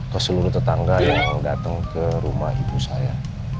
ke seluruh tetangga yang datang ke rumah ibu saya